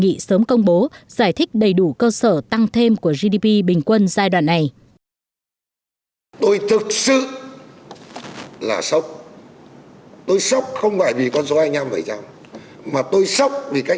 giải thích đầy đủ cơ sở tăng thêm của gdp bình quân giai đoạn này